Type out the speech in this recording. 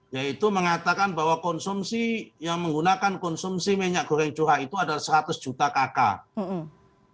yaitu mengatakan bahwa konsumsi yang menggunakan konsumsi minyak goreng curah itu adalah seratus juta kakak